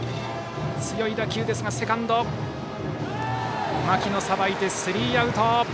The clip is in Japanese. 強い打球ですが牧野がさばいてスリーアウト。